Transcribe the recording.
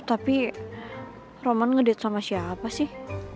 tapi roman ngedit sama siapa sih